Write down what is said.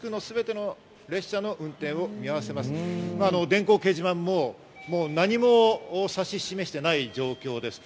電光掲示板は何も指し示していない状況です。